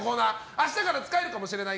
明日から使えるかもしれない？